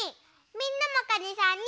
みんなもかにさんに。